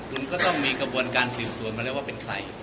คุณก็ต้องมีกระบวนการสืบสวนมาแล้วว่าเป็นใคร